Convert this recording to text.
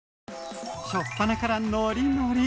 初っぱなからノリノリ。